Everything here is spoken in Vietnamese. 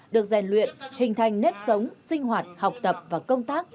được rèn luyện hình thành nếp sống sinh hoạt học tập và công tác